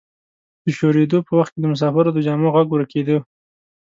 د شورېدو په وخت کې د مسافرو د جامو غږ ورکیده.